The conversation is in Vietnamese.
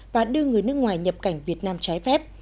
và đưa người nước ngoài nhập cảnh việt nam trái phép